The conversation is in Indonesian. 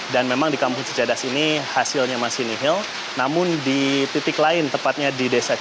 dan memang di kampung cicadas ini hasilnya masih nihil namun di titik lain tepatnya di desa cijedil rt tiga rw satu